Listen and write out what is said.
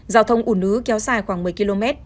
giao thông ủn ứ kéo dài khoảng một mươi km